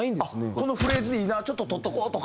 このフレーズいいなちょっととっとこうとか。